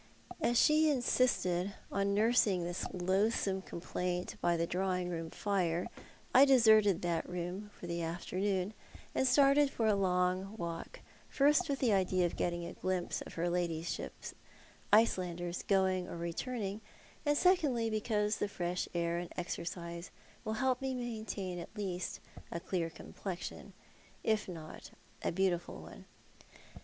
As she insisted upon 222 Thoit art the Man. nursing tliis loathsome complaint by the drawing room iire I deserted that room for the afternoon, and started for a long walk, first with the idea of getting a glimpse of her ladyshijys Icelanders going or returning, and secondly because fresh air and exercise will help me to maintain at least a clear complexion, if not a beautiful one.